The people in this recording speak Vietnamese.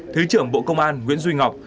thứ trưởng bộ công an nguyễn duy ngọc